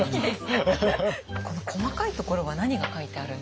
この細かいところは何が書いてあるんですか？